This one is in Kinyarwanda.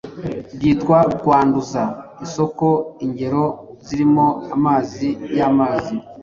byitwa kwanduza isoko. Ingero zirimo amazi y’amazi